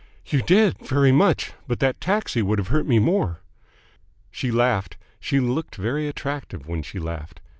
"You did. Very much. But the taxi would have hurt me more." She laughed. She looked very attractive when she laughed.